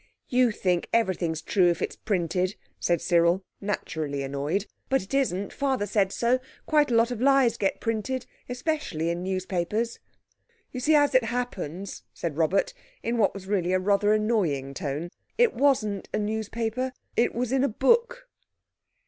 "You think everything's true if it's printed," said Cyril, naturally annoyed, "but it isn't. Father said so. Quite a lot of lies get printed, especially in newspapers." "You see, as it happens," said Robert, in what was really a rather annoying tone, "it wasn't a newspaper, it was in a book."